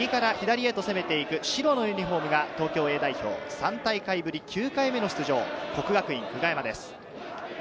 そして右から左へと攻める、白のユニホームが東京Ａ代表、３大会ぶり９回目の出場、國學院久我山です。